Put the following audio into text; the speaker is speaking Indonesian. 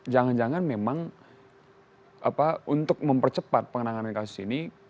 jangan jangan memang untuk mempercepat penanganan kasus ini